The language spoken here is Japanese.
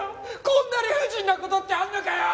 こんな理不尽な事ってあるのかよ！